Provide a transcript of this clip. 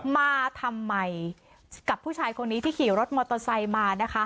มาทำไมกับผู้ชายคนนี้ที่ขี่รถมอเตอร์ไซค์มานะคะ